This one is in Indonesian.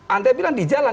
anda bilang di jalan